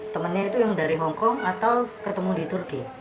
temennya itu yang dari hongkong atau ketemu di turki